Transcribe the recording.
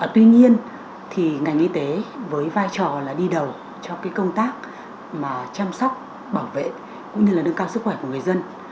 tuy nhiên ngành y tế với vai trò đi đầu cho công tác chăm sóc bảo vệ cũng như là nâng cao sức khỏe của người dân